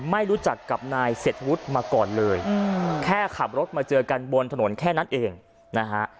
ไม่รู้จักกับนายเศรษฐวุฒิมาก่อนเลยแค่ขับรถมาเจอกันบนถนนแค่นั้นเองนะฮะ